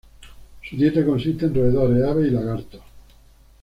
Su dieta consiste de roedores, aves y lagartos.